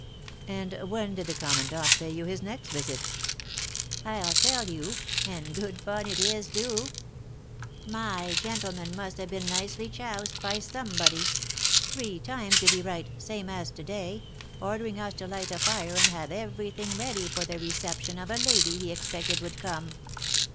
"And when did the commandant pay you his next visit?" "I'll tell you, and good fun it is, too. My gentleman must have been nicely choused by somebody. Three times did he write (same as to day), ordering us to light a fire and have everything ready for the reception of a lady he expected would come.